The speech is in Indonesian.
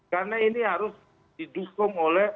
karena ini harus didukung oleh